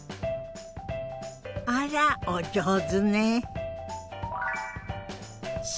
あらお上手ね。